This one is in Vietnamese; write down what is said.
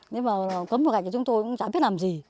nếu mà cấm loa gạch thì chúng tôi cũng chẳng biết làm gì